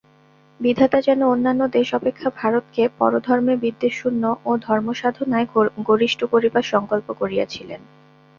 বিধাতা যেন অন্যান্য দেশ অপেক্ষা ভারতকে পরধর্মে বিদ্বেষশূন্য ও ধর্মসাধনায় গরিষ্ঠ করিবার সঙ্কল্প করিয়াছিলেন।